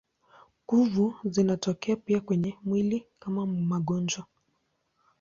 Kuvu zinatokea pia kwenye mwili kama magonjwa.